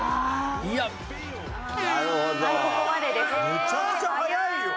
めちゃくちゃ速いよ！